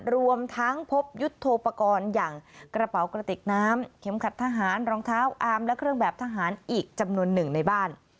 รวมทั้งพบยุทธโทปกรณ์อย่างกระเป๋ากระติกน้ำเข็มขัดทหารรองเท้าอาร์มและเครื่องแบบทหารอีกจำนวนหนึ่งในบ้าน